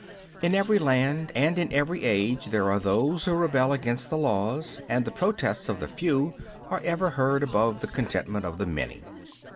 In every land and in every age there are those who rebel against the laws, and the protests of the few are ever heard above the contentment of the many."